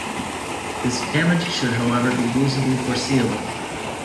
This damage should however be reasonably foreseeable.